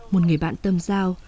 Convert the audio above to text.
một người bạn tâm giao